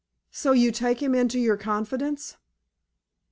"So you take him into your confidence."